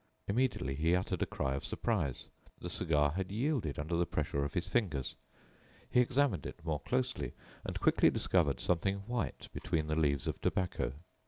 Immediately he uttered a cry of surprise. The cigar had yielded under the pressure of his fingers. He examined it more closely, and quickly discovered something white between the leaves of tobacco.